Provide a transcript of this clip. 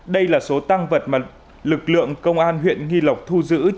đây là số tăng vật mà lực lượng công an huyện nghi lộc thu giữ